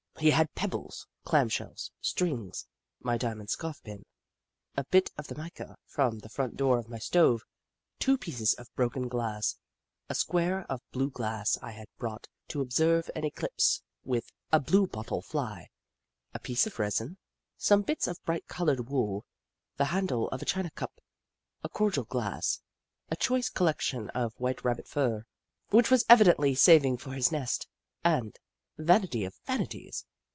He had pebbles, clam shells, strings, my dia mond scarf pin, a bit of the mica from the front door of my stove, two pieces of broken glass, a square of blue glass I had brought to observe an eclipse with, a blue bottle F'ly, a piece of resin, some bits of bright coloured wool, the handle of a china cup, a cordial glass, a choice collection of white Rabbit fur, which he was evidently saving for his nest, and, vanity of vanities